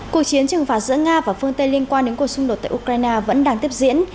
cuộc chiến trừng phạt giữa nga và phương tây liên quan đến cuộc xung đột tại ukraine vẫn đang tiếp diễn